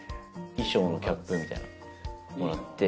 衣装のキャップみたいなもらって。